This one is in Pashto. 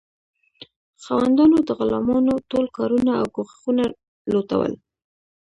خاوندانو د غلامانو ټول کارونه او کوښښونه لوټول.